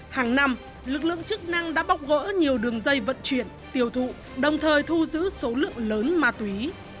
hàng năm lực lượng chức năng đã bóc gỡ nhiều đường dây vận chuyển tiêu thụ đồng thời thu giữ số lượng lớn ma túy